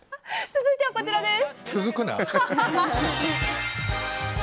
続いては、こちらです。